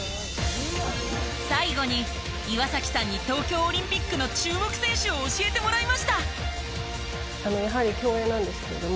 最後に岩崎さんに東京オリンピックの注目選手を教えてもらいました。